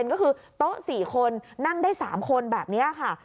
ก็คือโต๊ะ๔คนนั่งได้๓คนแบบนี้ค่ะ